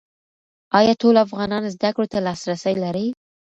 ایا ټول افغانان زده کړو ته لاسرسی لري؟